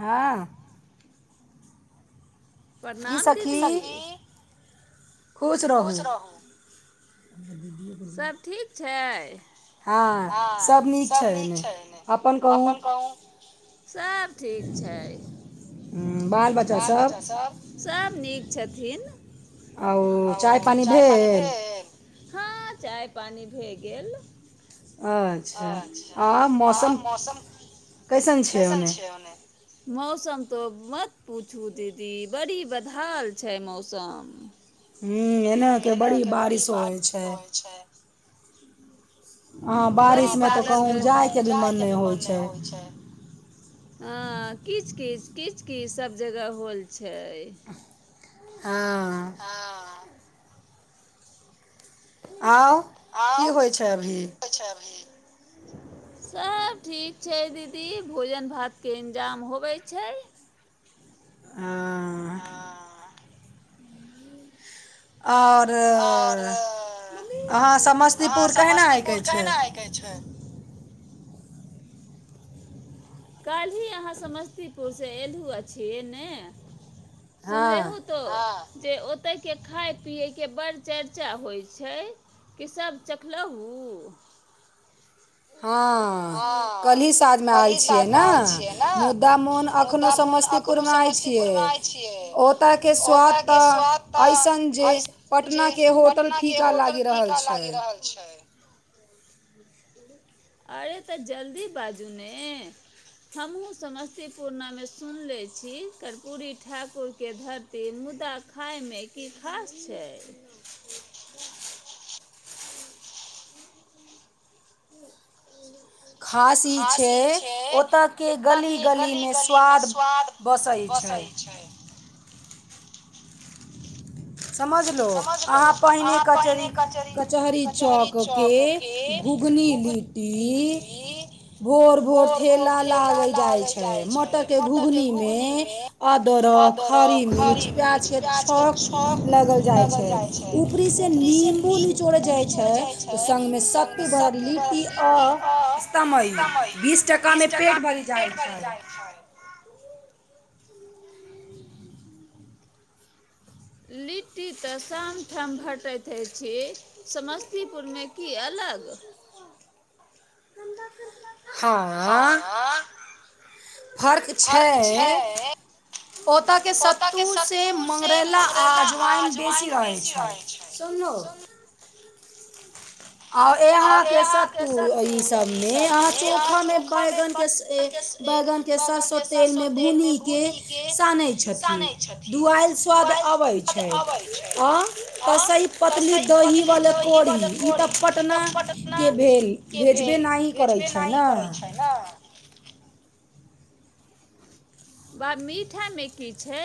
हँ की सखी खुश रहू सभ ठीक छैय हँ सभ नीक छै ने अपन कहूँ सभ ठीक छै ह बाल बच्चा सभ सभ नीक छथिन आउ चाय पानि भेल हँ चाय पानि भए गेल अच्छा आ मौसम कैसन छै ओने मौसम तऽ मत पूछू दीदी बड़ी बदहाल छै मौसम ह्म एने कऽ बड़ी बारिस होइ छै बड़ बादल ह बारिस मे तऽ कहूँ जाइ के भी मन नहि होइ छै हँ किच किच किच किच सभ जगह होल छै हँ आउ की हो छै अभी सब ठीक छै दीदी भोजन भात के इन्जाम होबैय छै [unintelligible] आओर अहाँ समस्तीपुर केहिना आयके छै काल्हि अहाँ समस्तीपुर सँ एलहुँ अछि ने सुनले हू तोअ जे ओतयके खाय पियैके बड चर्चा होइ छै की सभ चखलहु हँ कल्हि साझमे आयल छियै न मुद्दा मोन अखनो समस्तीपुर मे आय छिय ओतअ के स्वाद तऽ एसन छियै जे पटना के होटल फीका लागि रहल छै अरे तऽ जल्दी बाजू ने हमहुँ समस्तीपुर नमे सुनले छी कर्पूरी ठाकुर के धरती मु मुदा खायमे की खास छै खास ई छै अतअ के गली गली मे स्वाद बसल छै [inaudible] समझलहु अहाँ पहिने कचरी कचहरी चौकके घु घुगनी लिटी भोर भोर ठेला लाग जाइ छै मोटर के घुघनी मे अद रक हरी मिर्च प्याजके छौक लगल जाइ छै उपरी से नीबू निचोड़ जाइ छै स एहिमे सतू बरि लिट्टी आ स्तमय अइ बीस टकामे पेट भरि जाय अच्छा है लिट्टी तऽ शाम ठाम भेटैत अछि समस्तीपुरमे की अलग अलग हँ फर्क छै ओ तऽ के सत्तूसँ मगरैला आ अजवइन बेसी रहै छै सुनू ओर एहाँ के सत्तू ईसभमे अहाँ चोखामे बैगनके ए बैगन के सरसो तेलमे भुनिके सानैत छथिन दुआइल स्वाद अ अबे छै अ एतस ही पतली दही बला करी ई त ई तँ पटना के भेल भेजबे नहि करै छै न बा मीठामे की छै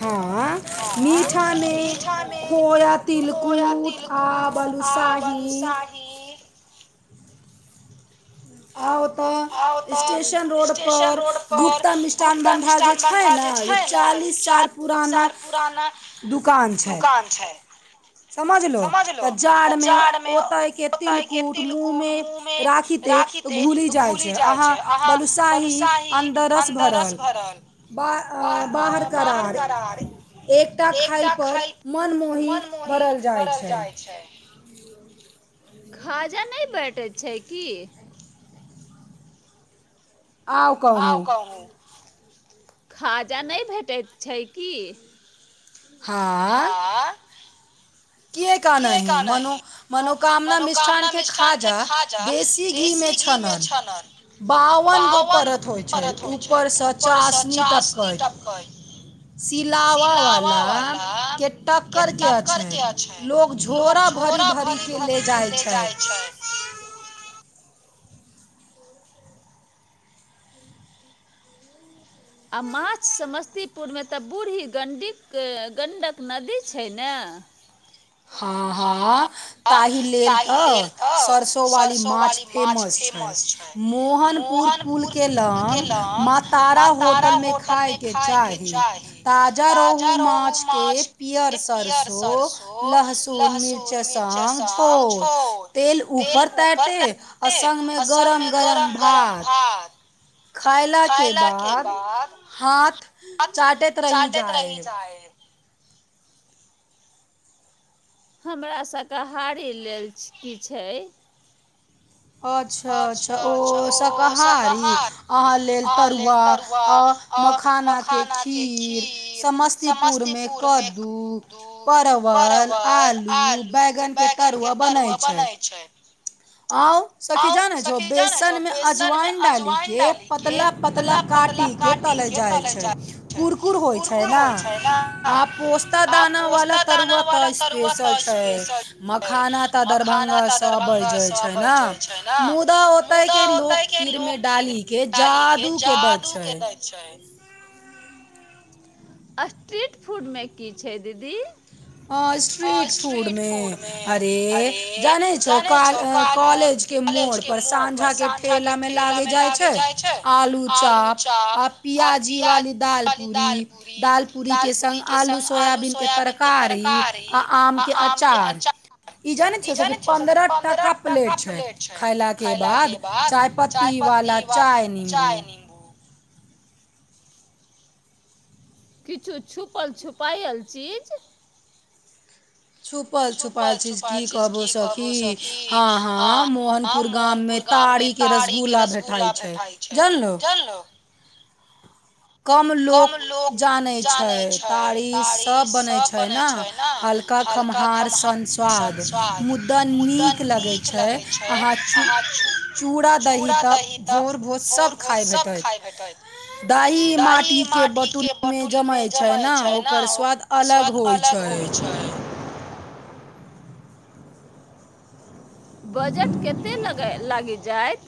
हँ आ मीठा मे खोया तिलकुट आ बलू शाही शाही आ ओ एतह स्टेशन रोड पर गुप्ता मिष्ठान भंडा जे छै न चालू उन्नीस साल पुराना दुकान छै समझलहु तऽ जाड़मे ओतयके तिलकुट मुँहमे राखी ते तऽ घूली जाइ छै अहाँ बलुसाही अन्दर रस भरल बा बाहर करार एकटा खाइपर मनमोहि भरल जाइ छै खाजा नहि भेटै छै की आउ कहूँ खाजा नहि भेटैत छै की हँ किए काने है मनो मनोकामना मिष्ठान के खाजा देसी घी मे के छानल बावन गो परत होइत छै ऊपरसँ चासनी टपकै सिलावा वलाके टक्करके छैय। लोक झोरा भरि भरिके ले जाइ छैय। आ माछ समस्तीपुरमे तऽ बूढ़ी गण्डीक गण्डक नदी छैय ने [inaudible] हँ हँ ताहि लेल तऽ सरसो वाली माछ फेमस छैय। मोहनपुर पुल केँ लग माँ तारा होटल मे खााय के चाही ताजा रोहु माछके पीयर सरिसो लहसुन नून मिरचाइ संग झोड़ तेल ऊपर तैरते आ संगमे गरम गरम गरम भात खयलाके बाद हाथ चाटैत रहि जाएब। हमरा शाकाहारी लेल की छैय? अच्छा अच्छा ओ शाकाहारी अहाँ लेल तरुआ आ मखानाके खीर समस्तीपुरमे कद्दू परवल पर वल आलू बैगनके तरुआ बनय छैय आउ सखि जाने छो बेसन मे अजवइन डाली के पतला पतला काटी के तल ले जाइ छैय कुरकुर होइ छैय ना आ पोस्ता दाना वाला तरुआ कतह स्पेशल छैय मखाना तऽ दरभंगा सँ अबय जाय छैय। छैय ने मुदा ओते के लोक खीर मे डाली के जादू केने छैय। स्ट्रीट फूडमे की छैय दीदी ह स्ट्रीट फूड में अरे जानै छहो काल कॉलेज के मोड़ पर सांझा के ठेला में लागे जाय छैय आलू चाप आ प्याजी दाल पूरी दाल पूरी के संग आलू सोयाबीन के तरकारी आ आम के अचार ई जानै छह सखी पन्द्रह टाका प्लेट छैय खायला के बाद चाय पत्ती तीवार चाय नीमबू किछु छुपल छुपायल चीज छुपल छुपायल चिज की कहबो सखी हँ मोहनपुर गाम में तड़ी के रसगुल्ला भेठई छैय जानलो कम लोक जानैत छैय तारी सभ बनैत छैय ने हल्का क खम्हार संस्वाद मुदा नीक लगैत छैय अहाँ चू चूड़ा दही तऽ भोर भोज सब खाइ भेटैत दाही माटी के बटूल मे जमै छैय ने ओकर स्वाद अलग होइ छैय। बजट कतेक लगै लागि जायत?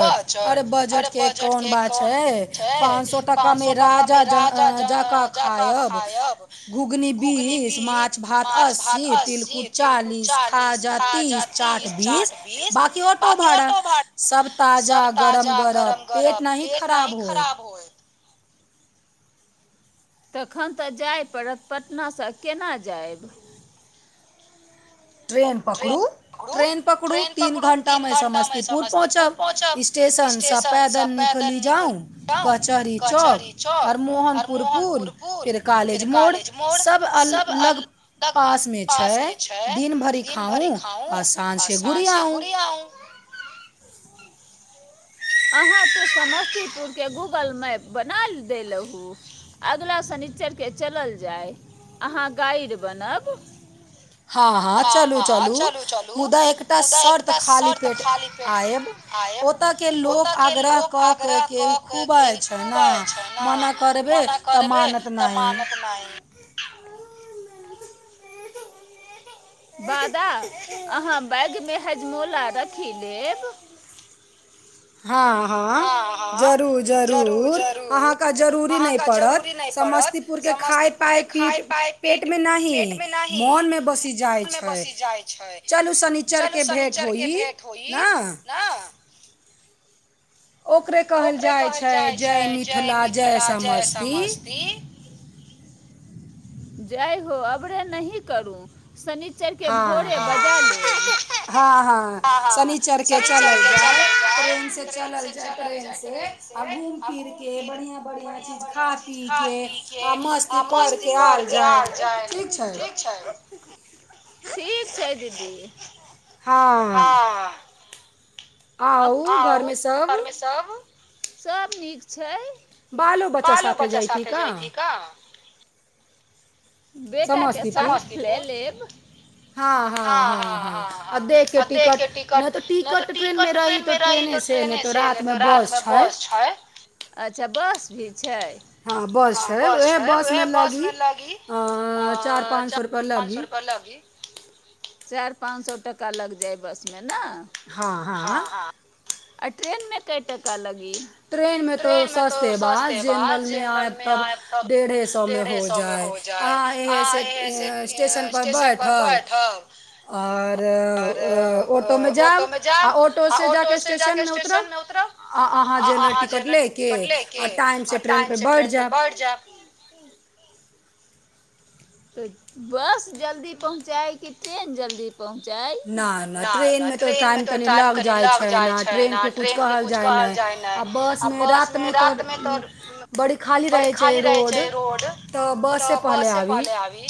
बजट अरे बजट के कौन पूछैय पाँच सै टका मे जक खायब घुघनी बीस माछ भात अस्सी अस्सी तिलकुट चालीस खाजा तीस चाट बीस बकी ऑटो भाड़ा सब ताजा गरम गरम पेट नही खराब होए तखन तऽ जाय पड़त पटनासँ केना जायब? ट्रेन पकड़ू ट्रेन पकड़ू तीन घंटा मे समस्तीपुर पहुँचब स्टेशनसँ पैदल निकल ली जाउ कचहरी चौक ओर मोहनपुर पुल फेर कॉलेज मोड़ सब अलग पास मे छैय दिन भर दिन भरि खाउ आ साँझ से घुरी आउ। अहाँ त समस्तीपुर के गूगल मैप बना देलू अगिला सनि शनिचर के चलल जाइ आहा गाइड बनब। हँ हँ चलू चलू मुदा एकटा शर्त खाली पेट आयब। ओ तऽ केेल लोक आग्रह क के खूब ने मना करबे तऽ मान त मानत नहि। वादा अहाँ बैग में हजमोला रखि लेब हँ हँ जरूर जरूर अहाँके जरूरी नहि पड़त समस्तीपुर के खाय पाय पीट पेट मे नहि मन मे बसी जा जाइ छै चलू शनिचरके भेट होई ना ओकरे कहल जाइ छै जय मिथिला जय समस्ती जय हो अबरे नहि करू शनिचरके भोरे बजा लेब हँ हँ शनिचर के चलल जाय ट्रेन से चलल जाय ट्रेन से आ घूम फिर बढ़िया बढ़िया चीज खा पी के आ मस्त मस्ती कर के आयल जाय ठीक छै ठीक छै दीदी हँ आओर घर मे सभ सब नीक छै बालो बच्चा साथ जाइति का बेटाके संग लऽ लेब हँ हँ हँ हँ आ देख के टिकट नहि तऽ टिकट ट्रेन मे रहि तऽ ट्रेनें से नहि तऽ रात मे तऽ रात मे बस छै अच्छा बस भी छै ह बस छै उएहे बस मे लागी आ चार पाच सए रुपआ लग भी चारि पाँच सौ टका लग जाय बस मे ने ह ह आ ट्रेन में कै टका लगी ट्रेन मे तो सस्ते बात जनरल मे आयब तब डेढ़े सौ मे हो जाए अहाँह से एं स्टेशन पर बैठब आउर ओऽ ऑटो मे जायब आ ऑटो से जाके स्टेशन मे उतरब आ अहाँ जेनरल लेके आ टाइम से ट्रेन पे बैठ जायब [unintelligible] तऽ बस जल्दी पहुँचाए की ट्रेन जल्दी पहुँचाइ ना नै ट्रेन मे तो टाइम तनि लग जाइ छै ने ट्रेन कुछ कहल जाय नै आ बसमे रात मे तऽ बड़ी खाली रहै छै रोड तऽ बस पहले आबि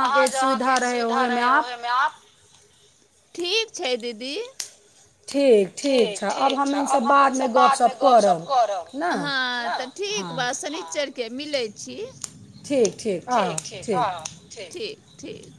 अहाँ जहाँ के सुविधा रहै ओहेमे आव ठीक छैय दीदी ठीक ठीक छऽ आब हम इसभ बादमे गपशप करब हँ तऽ ठीक बा शनिचर के मिलै छी ठीक ठीक हँ ठीक ठीक